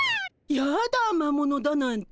やだ魔物だなんて。